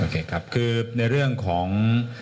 ครับคือในเรื่องของ